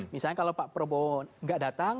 misalnya kalau pak prabowo nggak datang